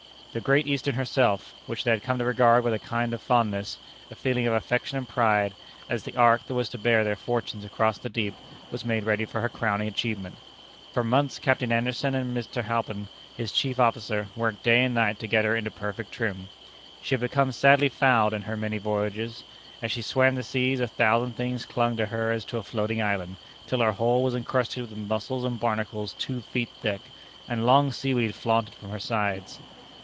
The Great Eastern herself, which they had come to regard with a kind of fondness, a feeling of affection and pride, as the ark that was to bear their fortunes across the deep, was made ready for her crowning achievement. For months Captain Anderson and Mr. Halpin, his chief officer, worked day and night to get her into perfect trim. She had become sadly fouled in her many voyages. As she swam the seas, a thousand things clung to her as to a floating island, till her hull was encrusted with mussels and barnacles two feet thick, and long seaweed flaunted from her sides.